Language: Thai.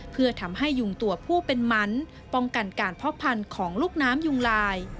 เพื่อทำให้ยุงตัวผู้เป็นมันป้องกันการเพาะพันธุ์ของลูกน้ำยุงลาย